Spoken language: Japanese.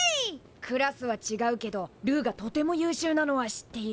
クラスはちがうけどルーがとても優秀なのは知っている。